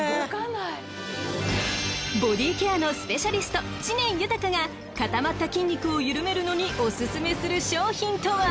［ボディーケアのスペシャリスト知念穣が固まった筋肉を緩めるのにお薦めする商品とは？］